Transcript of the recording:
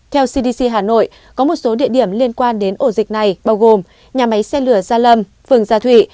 theo cdc hà nội có một số địa điểm liên quan đến ổ dịch này bao gồm nhà máy xe lửa gia lâm phường gia thụy